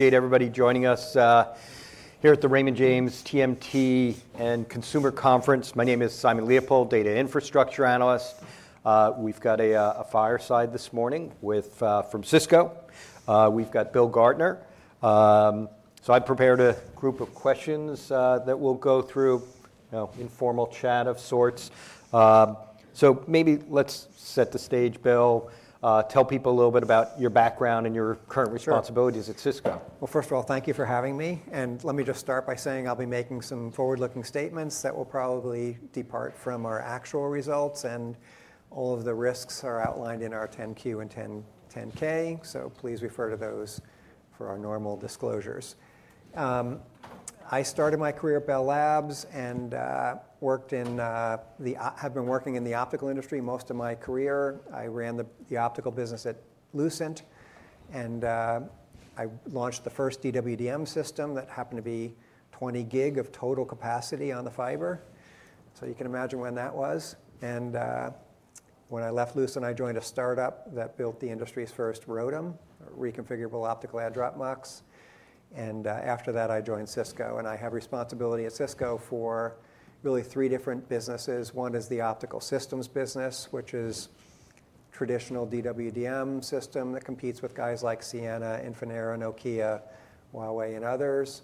Hey, everybody joining us here at the Raymond James TMT and Consumer Conference. My name is Simon Leopold, Data Infrastructure Analyst. We've got a fireside this morning from Cisco. We've got Bill Gartner. So I've prepared a group of questions that we'll go through, informal chat of sorts. So maybe let's set the stage, Bill. Tell people a little bit about your background and your current responsibilities at Cisco. First of all, thank you for having me. Let me just start by saying I'll be making some forward-looking statements that will probably depart from our actual results. All of the risks are outlined in our 10-Q and 10-K. Please refer to those for our normal disclosures. I started my career at Bell Labs and worked in the optical industry most of my career. I ran the optical business at Lucent. I launched the first DWDM system that happened to be 20 gig of total capacity on the fiber. You can imagine when that was. When I left Lucent, I joined a startup that built the industry's first ROADM, reconfigurable optical add-drop MUX. After that, I joined Cisco. I have responsibility at Cisco for really three different businesses. One is the optical systems business, which is a traditional DWDM system that competes with guys like Ciena, Infinera, Nokia, Huawei, and others.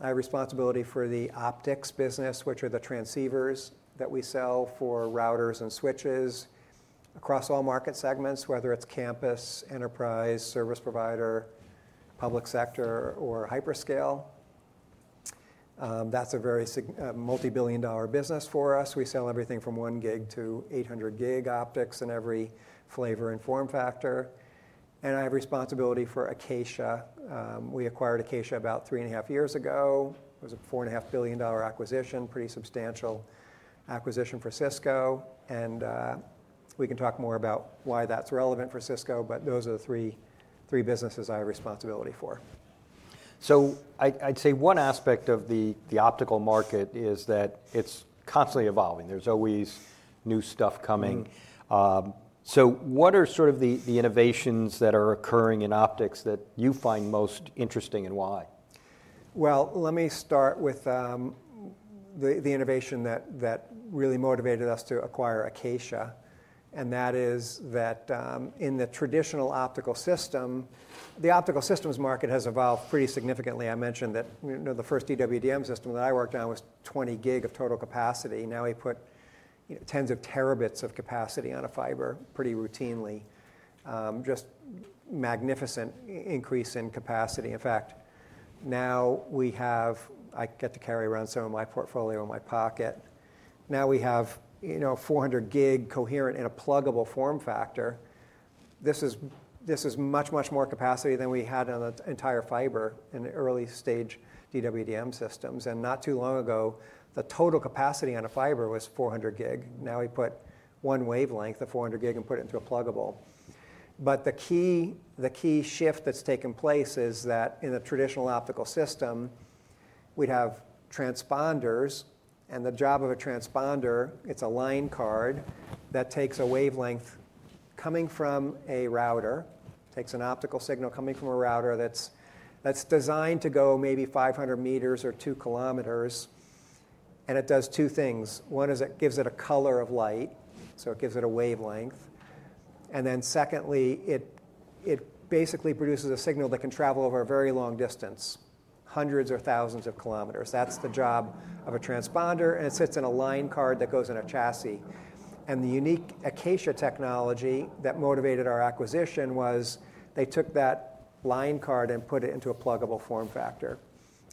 I have responsibility for the optics business, which are the transceivers that we sell for routers and switches across all market segments, whether it's campus, enterprise, service provider, public sector, or hyperscale. That's a very multi-billion-dollar business for us. We sell everything from one gig to 800 gig optics in every flavor and form factor. And I have responsibility for Acacia. We acquired Acacia about three and a half years ago. It was a $4.5 billion acquisition, pretty substantial acquisition for Cisco. And we can talk more about why that's relevant for Cisco. But those are the three businesses I have responsibility for. I'd say one aspect of the optical market is that it's constantly evolving. There's always new stuff coming. So what are sort of the innovations that are occurring in optics that you find most interesting and why? Let me start with the innovation that really motivated us to acquire Acacia. That is that in the traditional optical system, the optical systems market has evolved pretty significantly. I mentioned that the first DWDM system that I worked on was 20 gig of total capacity. Now we put tens of terabits of capacity on a fiber pretty routinely. Just magnificent increase in capacity. In fact, now we have. I get to carry around some of my portfolio in my pocket. Now we have 400 gig coherent and a pluggable form factor. This is much, much more capacity than we had in the entire fiber in early stage DWDM systems. Not too long ago, the total capacity on a fiber was 400 gig. Now we put one wavelength of 400 gig and put it into a pluggable. But the key shift that's taken place is that in the traditional optical system, we'd have transponders. And the job of a transponder, it's a line card that takes a wavelength coming from a router, takes an optical signal coming from a router that's designed to go maybe 500 meters or two kilometers. And it does two things. One is it gives it a color of light. So it gives it a wavelength. And then secondly, it basically produces a signal that can travel over a very long distance, hundreds or thousands of kilometers. That's the job of a transponder. And it sits in a line card that goes in a chassis. And the unique Acacia technology that motivated our acquisition was they took that line card and put it into a pluggable form factor.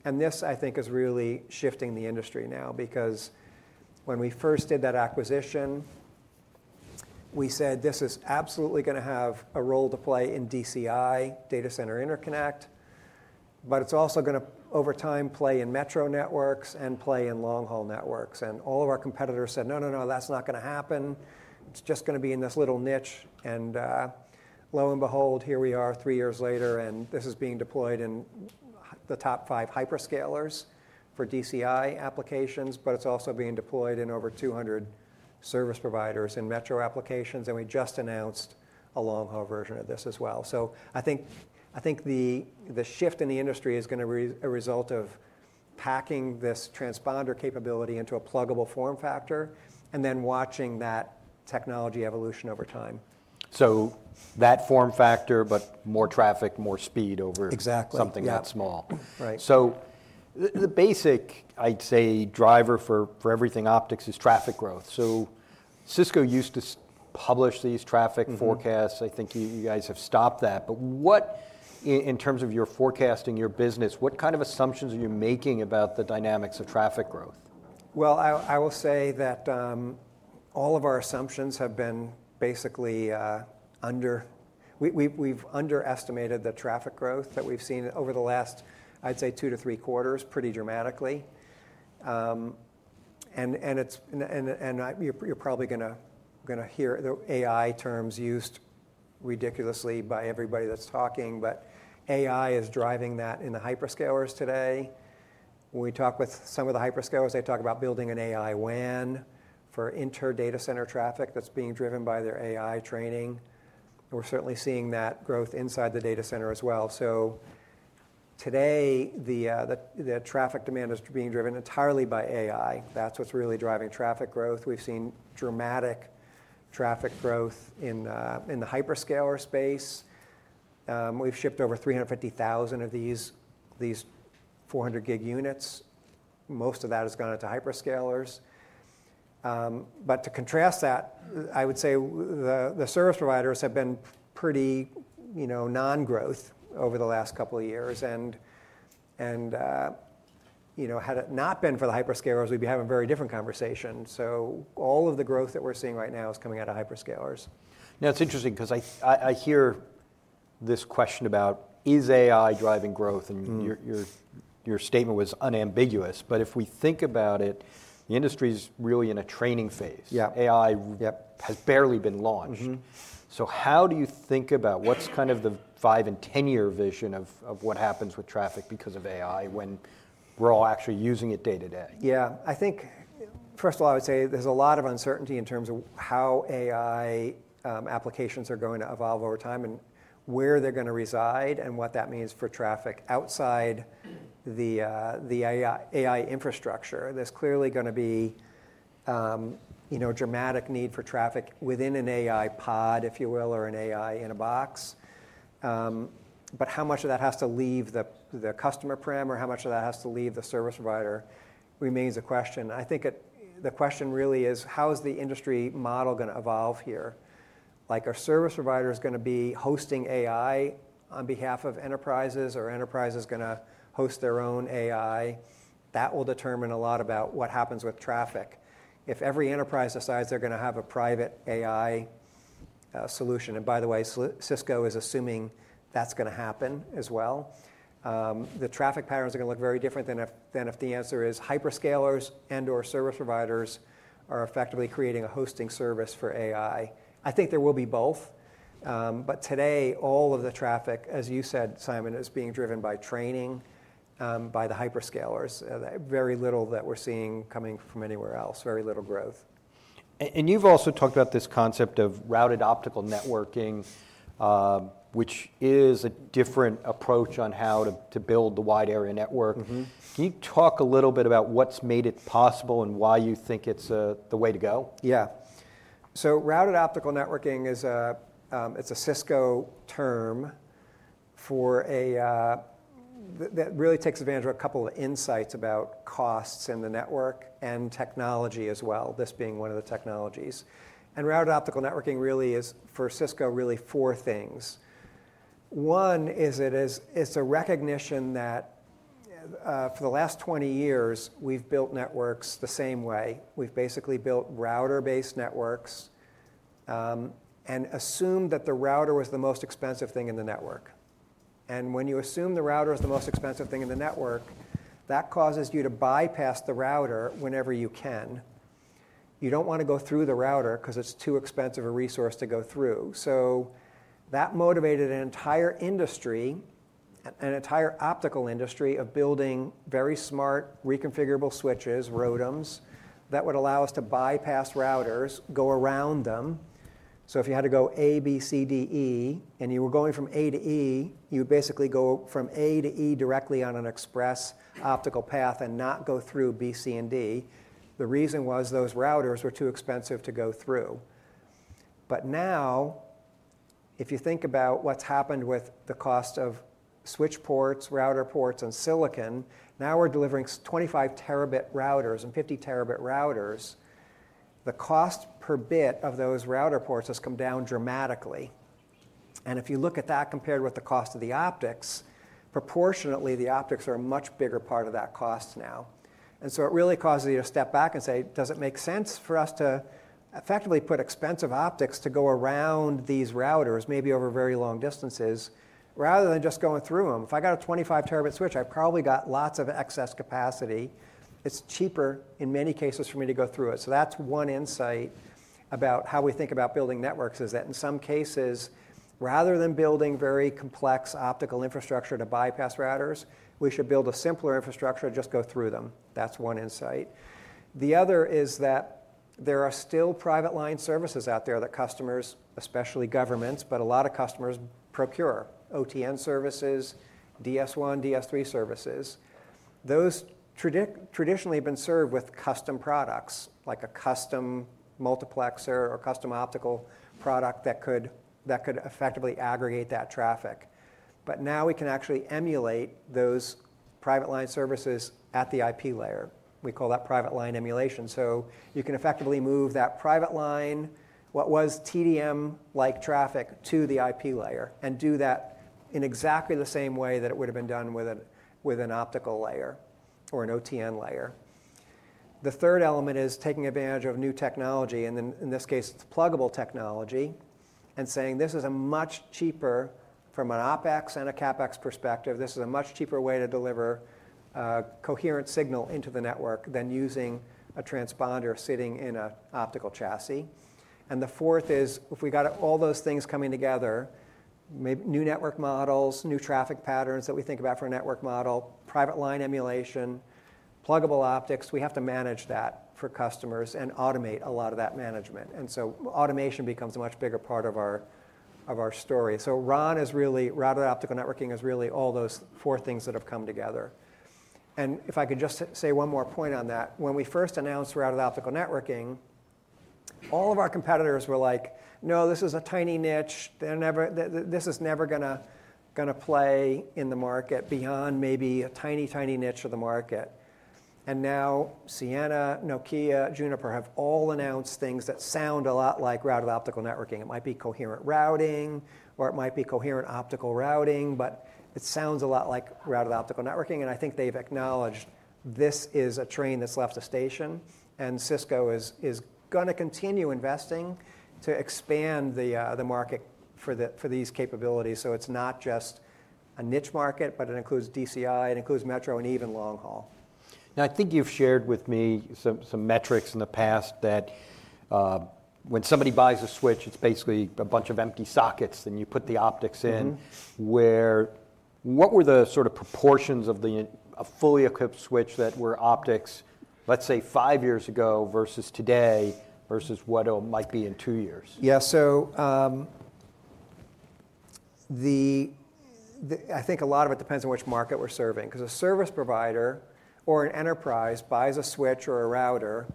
And this, I think, is really shifting the industry now. Because when we first did that acquisition, we said this is absolutely going to have a role to play in DCI, Data Center Interconnect, but it's also going to, over time, play in metro networks and play in long-haul networks, and all of our competitors said, no, no, no, that's not going to happen, it's just going to be in this little niche, and lo and behold, here we are three years later, and this is being deployed in the top five hyperscalers for DCI applications, but it's also being deployed in over 200 service providers in metro applications, and we just announced a long-haul version of this as well, so I think the shift in the industry is going to be a result of packing this transponder capability into a pluggable form factor and then watching that technology evolution over time. So that form factor, but more traffic, more speed over something that small. Exactly. So the basic, I'd say, driver for everything optics is traffic growth. So Cisco used to publish these traffic forecasts. I think you guys have stopped that. But in terms of your forecasting, your business, what kind of assumptions are you making about the dynamics of traffic growth? I will say that all of our assumptions have been basically under, we've underestimated the traffic growth that we've seen over the last, I'd say, two to three quarters pretty dramatically. You're probably going to hear the AI terms used ridiculously by everybody that's talking. AI is driving that in the hyperscalers today. When we talk with some of the hyperscalers, they talk about building an AI WAN for inter-data center traffic that's being driven by their AI training. We're certainly seeing that growth inside the data center as well. Today, the traffic demand is being driven entirely by AI. That's what's really driving traffic growth. We've seen dramatic traffic growth in the hyperscaler space. We've shipped over 350,000 of these 400 gig units. Most of that has gone into hyperscalers. But to contrast that, I would say the service providers have been pretty non-growth over the last couple of years. And had it not been for the hyperscalers, we'd be having a very different conversation. So all of the growth that we're seeing right now is coming out of hyperscalers. Now, it's interesting because I hear this question about, is AI driving growth? And your statement was unambiguous. But if we think about it, the industry's really in a training phase. AI has barely been launched. So how do you think about what's kind of the five- and ten-year vision of what happens with traffic because of AI when we're all actually using it day to day? Yeah. I think, first of all, I would say there's a lot of uncertainty in terms of how AI applications are going to evolve over time and where they're going to reside and what that means for traffic outside the AI infrastructure. There's clearly going to be a dramatic need for traffic within an AI pod, if you will, or an AI in a box. But how much of that has to leave the customer prem or how much of that has to leave the service provider remains a question. I think the question really is, how is the industry model going to evolve here? Like, are service providers going to be hosting AI on behalf of enterprises? Are enterprises going to host their own AI? That will determine a lot about what happens with traffic. If every enterprise decides they're going to have a private AI solution, and by the way, Cisco is assuming that's going to happen as well, the traffic patterns are going to look very different than if the answer is hyperscalers and/or service providers are effectively creating a hosting service for AI. I think there will be both. But today, all of the traffic, as you said, Simon, is being driven by training by the hyperscalers. Very little that we're seeing coming from anywhere else. Very little growth. You've also talked about this concept of Routed Optical Networking, which is a different approach on how to build the wide area network. Can you talk a little bit about what's made it possible and why you think it's the way to go? Yeah. So Routed Optical Networking is a Cisco term that really takes advantage of a couple of insights about costs in the network and technology as well, this being one of the technologies. And Routed Optical Networking really is, for Cisco, really four things. One is it's a recognition that for the last 20 years, we've built networks the same way. We've basically built router-based networks and assumed that the router was the most expensive thing in the network. And when you assume the router is the most expensive thing in the network, that causes you to bypass the router whenever you can. You don't want to go through the router because it's too expensive a resource to go through. So that motivated an entire industry, an entire optical industry of building very smart reconfigurable switches, ROADMs, that would allow us to bypass routers, go around them. So if you had to go A, B, C, D, E, and you were going from A to E, you would basically go from A to E directly on an express optical path and not go through B, C, and D. The reason was those routers were too expensive to go through. But now, if you think about what's happened with the cost of switch ports, router ports, and silicon, now we're delivering 25 terabit routers and 50 terabit routers. The cost per bit of those router ports has come down dramatically. And if you look at that compared with the cost of the optics, proportionately, the optics are a much bigger part of that cost now. And so it really causes you to step back and say, does it make sense for us to effectively put expensive optics to go around these routers, maybe over very long distances, rather than just going through them? If I got a 25 terabit switch, I've probably got lots of excess capacity. It's cheaper in many cases for me to go through it. So that's one insight about how we think about building networks is that in some cases, rather than building very complex optical infrastructure to bypass routers, we should build a simpler infrastructure and just go through them. That's one insight. The other is that there are still private line services out there that customers, especially governments, but a lot of customers, procure: OTN services, DS1, DS3 services. Those traditionally have been served with custom products, like a custom multiplexer or custom optical product that could effectively aggregate that traffic, but now we can actually emulate those private line services at the IP layer. We call that private line emulation, so you can effectively move that private line, what was TDM-like traffic, to the IP layer and do that in exactly the same way that it would have been done with an optical layer or an OTN layer. The third element is taking advantage of new technology, and in this case, it's pluggable technology, and saying this is a much cheaper from an OpEx and a CapEx perspective. This is a much cheaper way to deliver a coherent signal into the network than using a transponder sitting in an optical chassis. The fourth is if we got all those things coming together, new network models, new traffic patterns that we think about for a network model, private line emulation, pluggable optics. We have to manage that for customers and automate a lot of that management. Automation becomes a much bigger part of our story. RON is really routed optical networking. Routed optical networking is really all those four things that have come together. If I could just say one more point on that. When we first announced routed optical networking, all of our competitors were like, no, this is a tiny niche. This is never going to play in the market beyond maybe a tiny, tiny niche of the market. Now Ciena, Nokia, Juniper have all announced things that sound a lot like routed optical networking. It might be coherent routing, or it might be coherent optical routing, but it sounds a lot like Routed Optical Networking. I think they've acknowledged this is a train that's left the station. Cisco is going to continue investing to expand the market for these capabilities. It's not just a niche market, but it includes DCI. It includes metro and even long-haul. Now, I think you've shared with me some metrics in the past that when somebody buys a switch, it's basically a bunch of empty sockets and you put the optics in. What were the sort of proportions of a fully equipped switch that were optics, let's say, five years ago versus today versus what it might be in two years? Yeah. So I think a lot of it depends on which market we're serving. Because a service provider or an enterprise buys a switch or a router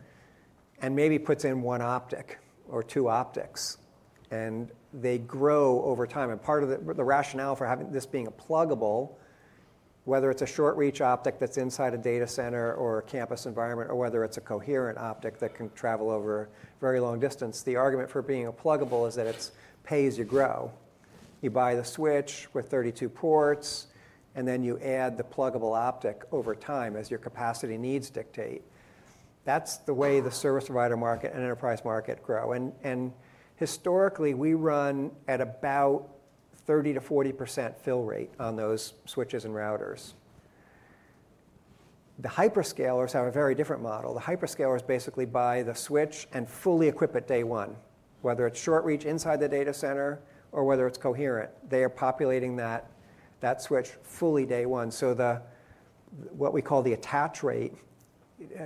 and maybe puts in one optic or two optics. And they grow over time. And part of the rationale for having this being a pluggable, whether it's a short-reach optic that's inside a data center or a campus environment, or whether it's a coherent optic that can travel over a very long distance, the argument for being a pluggable is that it's pay as you grow. You buy the switch with 32 ports, and then you add the pluggable optic over time as your capacity needs dictate. That's the way the service provider market and enterprise market grow. And historically, we run at about 30%-40% fill rate on those switches and routers. The hyperscalers have a very different model. The hyperscalers basically buy the switch and fully equip it day one, whether it's short-reach inside the data center or whether it's coherent. They are populating that switch fully day one, so what we call the attach rate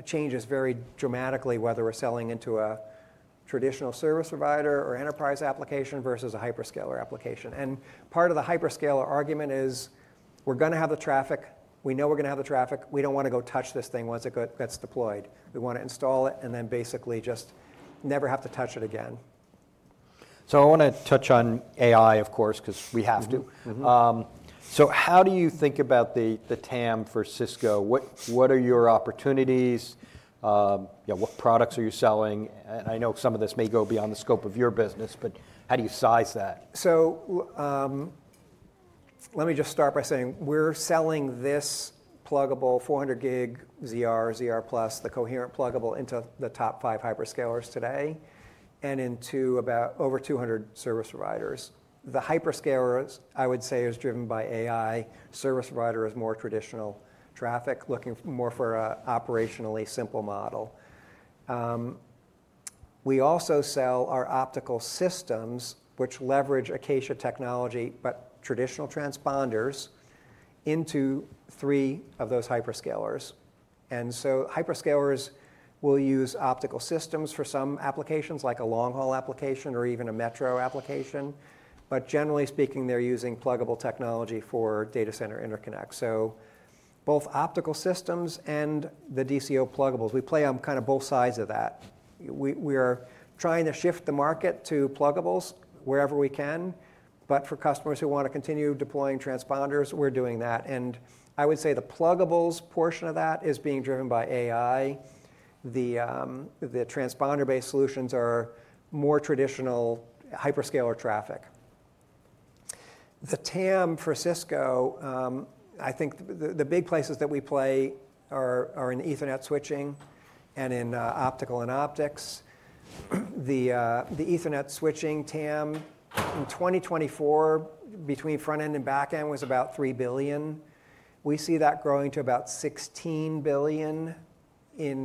changes very dramatically whether we're selling into a traditional service provider or enterprise application versus a hyperscaler application, and part of the hyperscaler argument is we're going to have the traffic. We know we're going to have the traffic. We don't want to go touch this thing once it gets deployed. We want to install it and then basically just never have to touch it again. So I want to touch on AI, of course, because we have to. So how do you think about the TAM for Cisco? What are your opportunities? What products are you selling? And I know some of this may go beyond the scope of your business, but how do you size that? So let me just start by saying we're selling this pluggable 400G ZR, ZR+, the coherent pluggable into the top five hyperscalers today and into about over 200 service providers. The hyperscalers, I would say, are driven by AI. Service provider is more traditional traffic, looking more for an operationally simple model. We also sell our optical systems, which leverage Acacia technology, but traditional transponders into three of those hyperscalers. And so hyperscalers will use optical systems for some applications, like a long-haul application or even a metro application. But generally speaking, they're using pluggable technology for data center interconnects. So both optical systems and the DCO pluggables, we play on kind of both sides of that. We are trying to shift the market to pluggables wherever we can. But for customers who want to continue deploying transponders, we're doing that. I would say the pluggables portion of that is being driven by AI. The transponder-based solutions are more traditional hyperscaler traffic. The TAM for Cisco, I think the big places that we play are in Ethernet switching and in optical and optics. The Ethernet switching TAM in 2024 between front end and back end was about $3 billion. We see that growing to about $16 billion in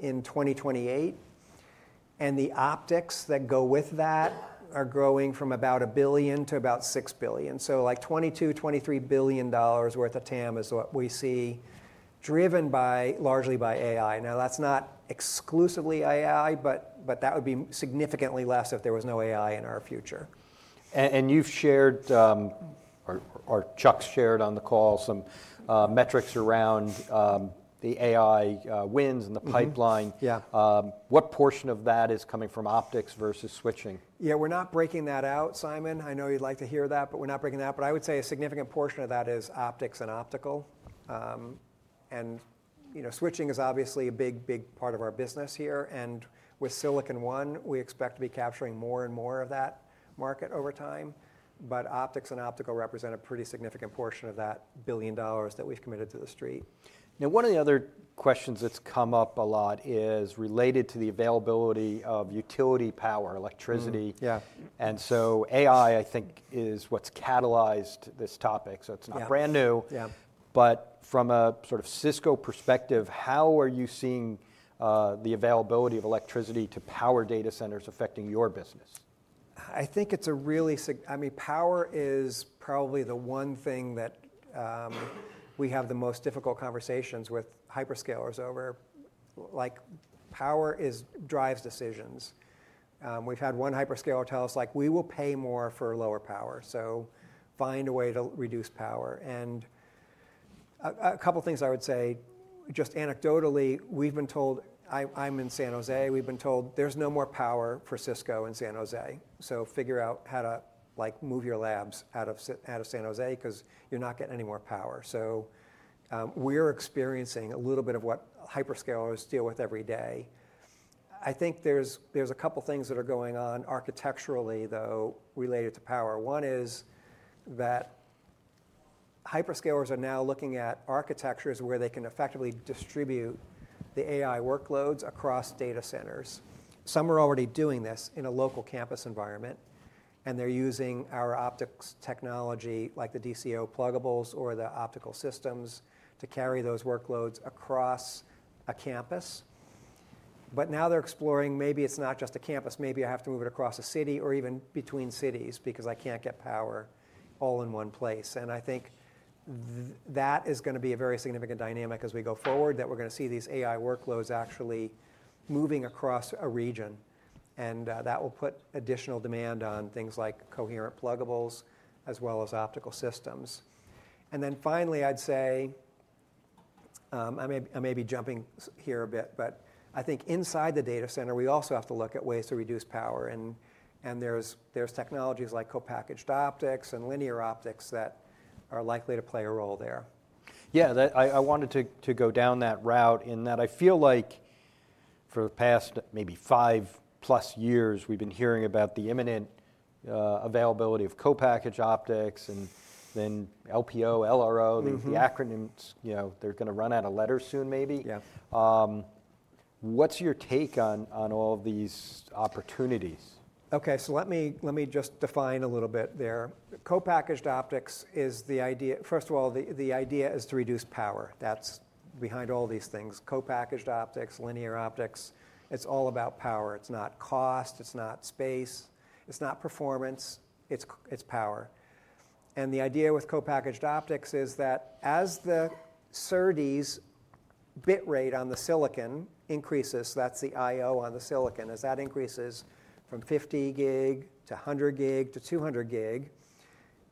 2028. And the optics that go with that are growing from about $1 billion to about $6 billion. So like $22-$23 billion worth of TAM is what we see driven largely by AI. Now, that's not exclusively AI, but that would be significantly less if there was no AI in our future. You've shared, or Chuck's shared on the call, some metrics around the AI wins and the pipeline. What portion of that is coming from optics versus switching? Yeah, we're not breaking that out, Simon. I know you'd like to hear that, but we're not breaking that. But I would say a significant portion of that is optics and optical. And switching is obviously a big, big part of our business here. And with Silicon One, we expect to be capturing more and more of that market over time. But optics and optical represent a pretty significant portion of that $1 billion that we've committed to the street. Now, one of the other questions that's come up a lot is related to the availability of utility power, electricity, and so AI, I think, is what's catalyzed this topic, so it's not brand new, but from a sort of Cisco perspective, how are you seeing the availability of electricity to power data centers affecting your business? I think it's a really significant, I mean, power is probably the one thing that we have the most difficult conversations with hyperscalers over. Like power drives decisions. We've had one hyperscaler tell us, like, we will pay more for lower power. Find a way to reduce power. A couple of things I would say, just anecdotally. We've been told. I'm in San Jose. We've been told there's no more power for Cisco in San Jose. Figure out how to move your labs out of San Jose because you're not getting any more power. We're experiencing a little bit of what hyperscalers deal with every day. I think there's a couple of things that are going on architecturally, though, related to power. One is that hyperscalers are now looking at architectures where they can effectively distribute the AI workloads across data centers. Some are already doing this in a local campus environment, and they're using our optics technology, like the DCO pluggables or the optical systems, to carry those workloads across a campus. But now they're exploring maybe it's not just a campus. Maybe I have to move it across a city or even between cities because I can't get power all in one place. And I think that is going to be a very significant dynamic as we go forward that we're going to see these AI workloads actually moving across a region. And that will put additional demand on things like coherent pluggables as well as optical systems. And then finally, I'd say I may be jumping here a bit, but I think inside the data center, we also have to look at ways to reduce power. There's technologies like co-packaged optics and linear optics that are likely to play a role there. Yeah, I wanted to go down that route in that I feel like for the past maybe five-plus years, we've been hearing about the imminent availability of co-packaged optics and then LPO, LRO. The acronyms, they're going to run out of letters soon, maybe. What's your take on all of these opportunities? Ok, so let me just define a little bit there. Co-packaged optics is the idea first of all, the idea is to reduce power. That's behind all these things. Co-packaged optics, linear optics, it's all about power. It's not cost. It's not space. It's not performance. It's power. And the idea with co-packaged optics is that as the SerDes's bit rate on the silicon increases, that's the IO on the silicon. As that increases from 50 gig to 100 gig to 200 gig,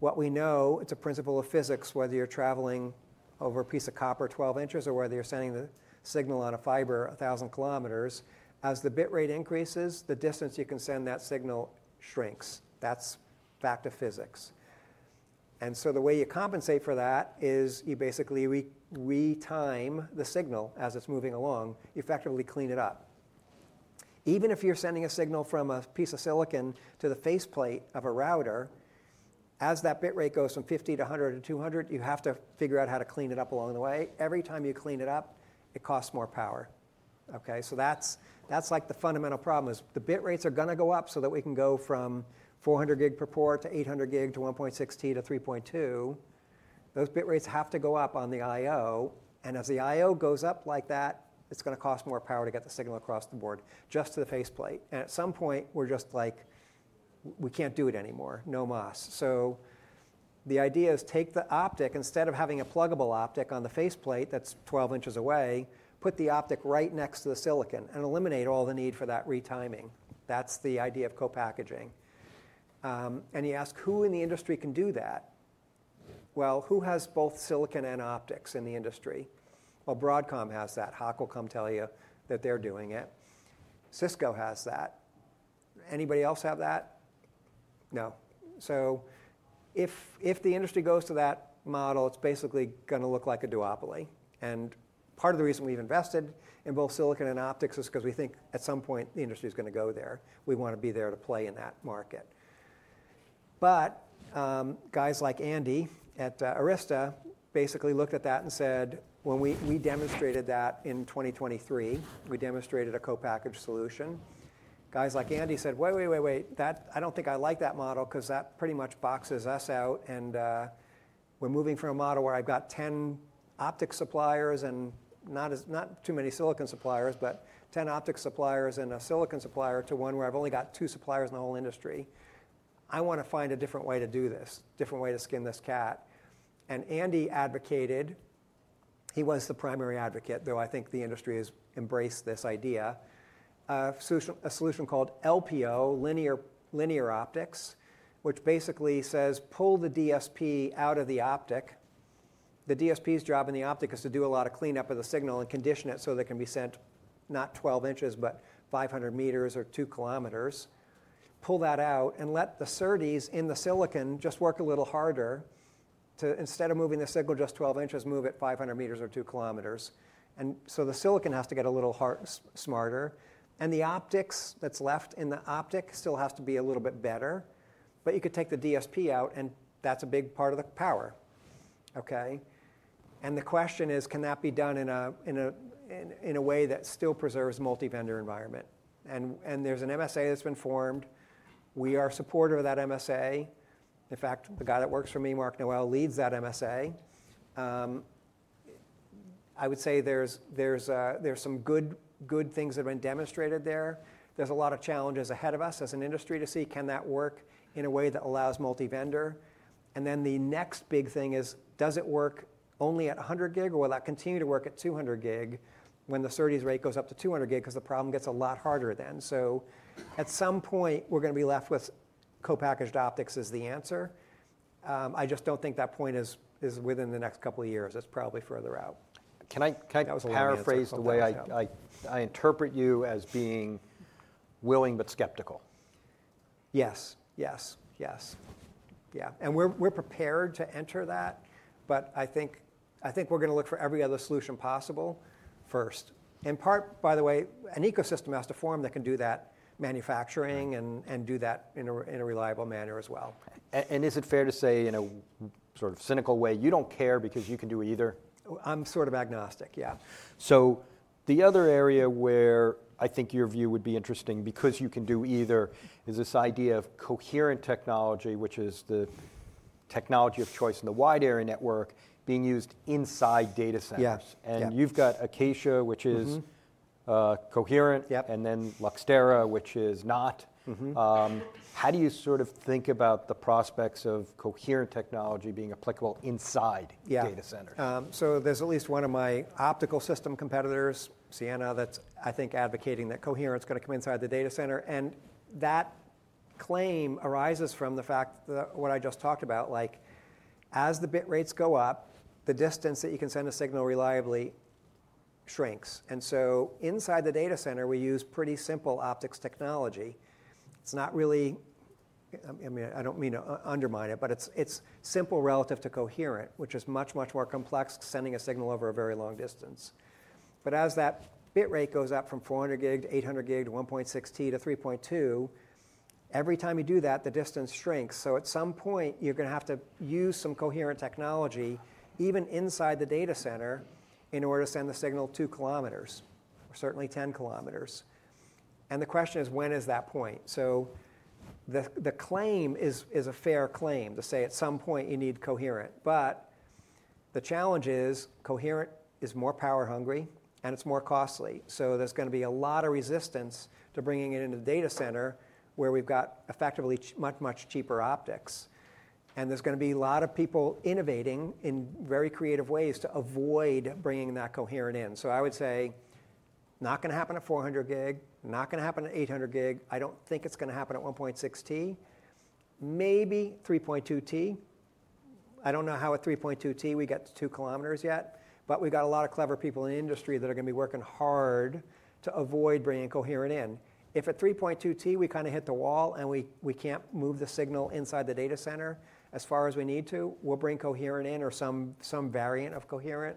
what we know, it's a principle of physics, whether you're traveling over a piece of copper 12 inches or whether you're sending the signal on a fiber 1,000 kilometers. As the bit rate increases, the distance you can send that signal shrinks. That's a fact of physics. And so the way you compensate for that is you basically re-time the signal as it's moving along, effectively clean it up. Even if you're sending a signal from a piece of silicon to the faceplate of a router, as that bit rate goes from 50 to 100 to 200, you have to figure out how to clean it up along the way. Every time you clean it up, it costs more power. Ok, so that's like the fundamental problem is the bit rates are going to go up so that we can go from 400 gig per port to 800 gig to 1.6T to 3.2. Those bit rates have to go up on the IO. And as the IO goes up like that, it's going to cost more power to get the signal across the board just to the faceplate. At some point, we're just like, we can't do it anymore. No muss. The idea is take the optic instead of having a pluggable optic on the faceplate that's 12 inches away, put the optic right next to the silicon and eliminate all the need for that re-timing. That's the idea of co-packaging. You ask who in the industry can do that. Well, who has both silicon and optics in the industry? Well, Broadcom has that. Hock will come tell you that they're doing it. Cisco has that. Anybody else have that? No. If the industry goes to that model, it's basically going to look like a duopoly. Part of the reason we've invested in both silicon and optics is because we think at some point the industry is going to go there. We want to be there to play in that market. But guys like Andy at Arista basically looked at that and said, when we demonstrated that in 2023, we demonstrated a co-packaged solution. Guys like Andy said, wait, wait, wait, wait. I don't think I like that model because that pretty much boxes us out. And we're moving from a model where I've got 10 optics suppliers and not too many silicon suppliers, but 10 optics suppliers and a silicon supplier to one where I've only got two suppliers in the whole industry. I want to find a different way to do this, a different way to skin this cat. And Andy advocated he was the primary advocate, though I think the industry has embraced this idea, a solution called LPO, linear optics, which basically says, pull the DSP out of the optic. The DSP's job in the optic is to do a lot of cleanup of the signal and condition it so they can be sent not 12 inches, but 500 meters or two kilometers. Pull that out and let the SerDes in the silicon just work a little harder to, instead of moving the signal just 12 inches, move it 500 meters or two kilometers. And so the silicon has to get a little smarter. And the optics that's left in the optic still has to be a little bit better. But you could take the DSP out, and that's a big part of the power. Ok, and the question is, can that be done in a way that still preserves a multi-vendor environment? And there's an MSA that's been formed. We are supportive of that MSA. In fact, the guy that works for me, Mark Nowell, leads that MSA. I would say there's some good things that have been demonstrated there. There's a lot of challenges ahead of us as an industry to see, can that work in a way that allows multi-vendor? And then the next big thing is, does it work only at 100 gig, or will that continue to work at 200 gig when the SerDes's rate goes up to 200 gig? Because the problem gets a lot harder then. So at some point, we're going to be left with co-packaged optics as the answer. I just don't think that point is within the next couple of years. It's probably further out. Can I paraphrase the way I interpret you as being willing but skeptical? Yes, yes, yes. Yeah, and we're prepared to enter that. But I think we're going to look for every other solution possible first. In part, by the way, an ecosystem has to form that can do that manufacturing and do that in a reliable manner as well. Is it fair to say, in a sort of cynical way, you don't care because you can do either? I'm sort of agnostic, yeah. The other area where I think your view would be interesting because you can do either is this idea of coherent technology, which is the technology of choice in the wide area network being used inside data centers. You've got Acacia, which is coherent, and then Luxtera, which is not. How do you sort of think about the prospects of coherent technology being applicable inside data centers? So there's at least one of my optical system competitors, Ciena, that's, I think, advocating that coherent's going to come inside the data center. And that claim arises from the fact that what I just talked about, like as the bit rates go up, the distance that you can send a signal reliably shrinks. And so inside the data center, we use pretty simple optics technology. It's not really I mean, I don't mean to undermine it, but it's simple relative to coherent, which is much, much more complex sending a signal over a very long distance. But as that bit rate goes up from 400 gig to 800 gig to 1.6T to 3.2, every time you do that, the distance shrinks. So at some point, you're going to have to use some coherent technology even inside the data center in order to send the signal two kilometers or certainly 10 kilometers. And the question is, when is that point? So the claim is a fair claim to say at some point you need coherent. But the challenge is coherent is more power hungry, and it's more costly. So there's going to be a lot of resistance to bringing it into the data center where we've got effectively much, much cheaper optics. And there's going to be a lot of people innovating in very creative ways to avoid bringing that coherent in. So I would say not going to happen at 400 gig, not going to happen at 800 gig. I don't think it's going to happen at 1.6T, maybe 3.2T. I don't know how at 3.2T we get to two kilometers yet, but we've got a lot of clever people in the industry that are going to be working hard to avoid bringing coherent in. If at 3.2T we kind of hit the wall and we can't move the signal inside the data center as far as we need to, we'll bring coherent in or some variant of coherent,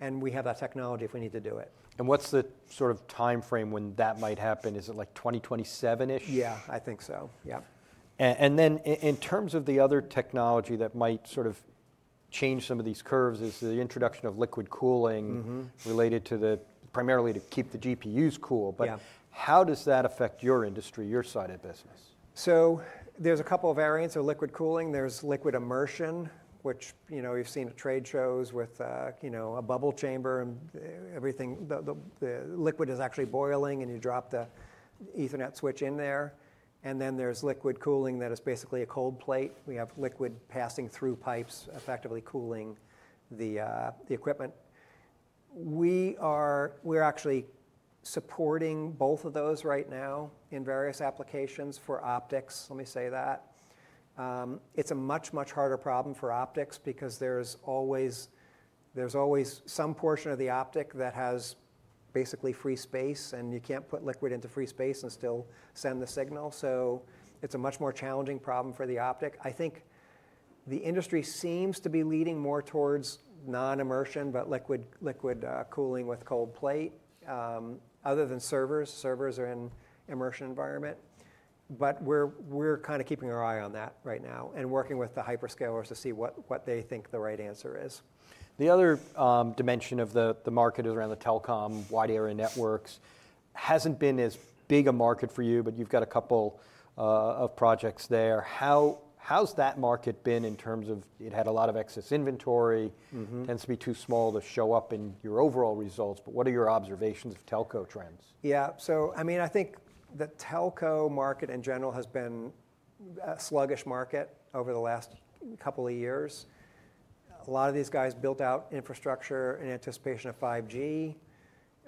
and we have that technology if we need to do it. What's the sort of time frame when that might happen? Is it like 2027-ish? Yeah, I think so, yeah. And then, in terms of the other technology that might sort of change some of these curves, is the introduction of liquid cooling related primarily to keep the GPUs cool. But how does that affect your industry, your side of business? So there's a couple of variants of liquid cooling. There's liquid immersion, which you've seen at trade shows with a bubble chamber and everything. The liquid is actually boiling, and you drop the Ethernet switch in there. And then there's liquid cooling that is basically a cold plate. We have liquid passing through pipes effectively cooling the equipment. We are actually supporting both of those right now in various applications for optics. Let me say that. It's a much, much harder problem for optics because there's always some portion of the optic that has basically free space, and you can't put liquid into free space and still send the signal. So it's a much more challenging problem for the optic. I think the industry seems to be leading more towards non-immersion but liquid cooling with cold plate. Other than servers, servers are an immersion environment. But we're kind of keeping our eye on that right now and working with the hyperscalers to see what they think the right answer is. The other dimension of the market is around the telecom, wide area networks. Hasn't been as big a market for you, but you've got a couple of projects there. How's that market been in terms of it had a lot of excess inventory, tends to be too small to show up in your overall results. But what are your observations of telco trends? Yeah, so I mean, I think the telco market in general has been a sluggish market over the last couple of years. A lot of these guys built out infrastructure in anticipation of 5G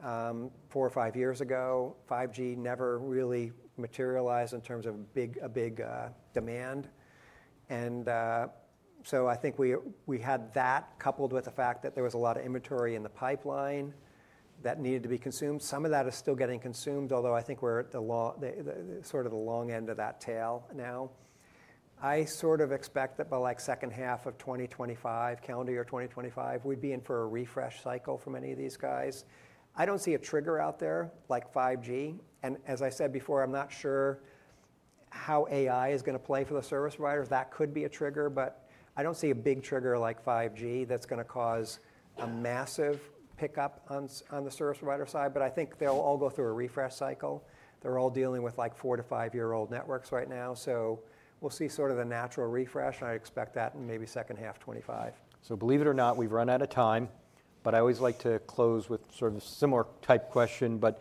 four or five years ago. 5G never really materialized in terms of a big demand. And so I think we had that coupled with the fact that there was a lot of inventory in the pipeline that needed to be consumed. Some of that is still getting consumed, although I think we're at sort of the long end of that tail now. I sort of expect that by like second half of 2025, calendar year 2025, we'd be in for a refresh cycle for many of these guys. I don't see a trigger out there like 5G. And as I said before, I'm not sure how AI is going to play for the service providers. That could be a trigger. But I don't see a big trigger like 5G that's going to cause a massive pickup on the service provider side. But I think they'll all go through a refresh cycle. They're all dealing with like four- to five-year-old networks right now. So we'll see sort of a natural refresh. And I expect that in maybe second half 2025. So believe it or not, we've run out of time. But I always like to close with sort of a similar type question. But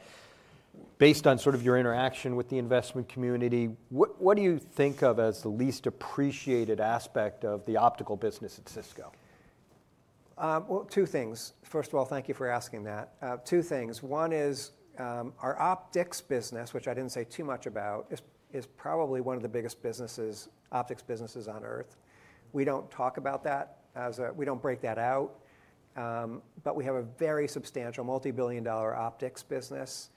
based on sort of your interaction with the investment community, what do you think of as the least appreciated aspect of the optical business at Cisco? Two things. First of all, thank you for asking that. Two things. One is our optics business, which I didn't say too much about, is probably one of the biggest optics businesses on Earth. We don't talk about that. We don't break that out. But we have a very substantial multi-billion-dollar optics business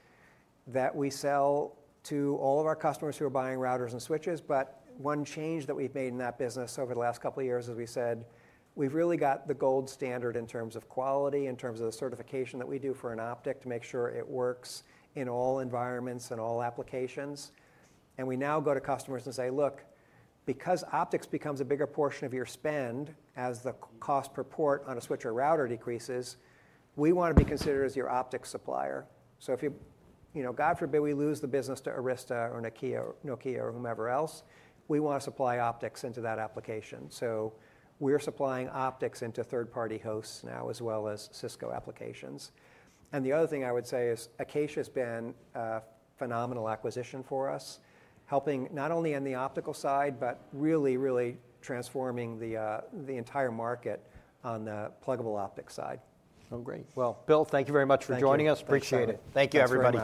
that we sell to all of our customers who are buying routers and switches. But one change that we've made in that business over the last couple of years is we said we've really got the gold standard in terms of quality, in terms of the certification that we do for an optic to make sure it works in all environments and all applications. And we now go to customers and say, look, because optics becomes a bigger portion of your spend as the cost per port on a switch or router decreases, we want to be considered as your optics supplier. So if God forbid we lose the business to Arista or Nokia or whomever else, we want to supply optics into that application. So we're supplying optics into third-party hosts now as well as Cisco applications. And the other thing I would say is Acacia has been a phenomenal acquisition for us, helping not only on the optical side, but really, really transforming the entire market on the pluggable optics side. Great. Bill, thank you very much for joining us. Appreciate it. Thank you, everybody.